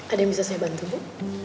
ada yang bisa saya bantu bu